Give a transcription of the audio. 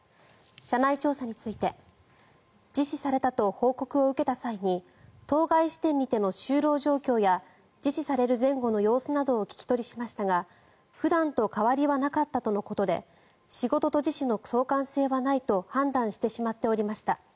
社内調査について自死されたと報告を受けた際に当該支店にての就労状況や自死される前後の様子などを聞き取りしましたが普段と変わりはなかったとのことで仕事と自死の相関性はないと判断してしまっておりました